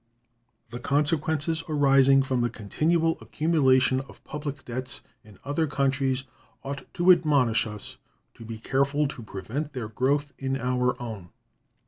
The consequences arising from the continual accumulation of public debts in other countries ought to admonish us to be careful to prevent their growth in our own.